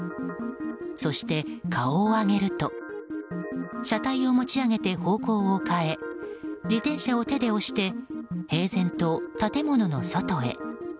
そして、顔を上げると車体を持ち上げ方向をかえ自転車を手で押して平然と建物の外へ。